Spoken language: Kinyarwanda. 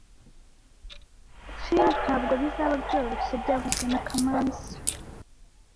Thntabwo bizaba byoroshye byavuzwe na kamanzi